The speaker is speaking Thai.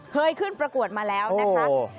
เคยขึ้นประกวดมาแล้วนะคะ